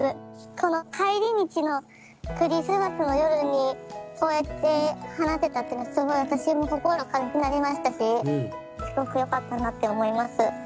この帰り道のクリスマスの夜にこうやって話せたっていうのすごい私も心が軽くなりましたしすごくよかったなって思います。